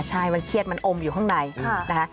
ใช่มันเครียดมันอมอยู่ข้างในนะคะ